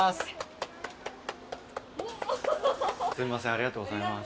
ありがとうございます。